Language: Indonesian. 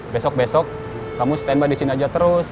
besok besok kamu stand by di sini aja terus